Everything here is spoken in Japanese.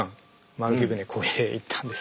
丸木舟こいで行ったんですが。